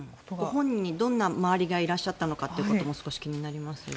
本人にどんな周りがいらっしゃったのかも気になります。